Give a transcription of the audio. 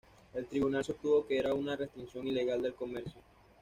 El tribunal sostuvo que era una restricción ilegal del comercio.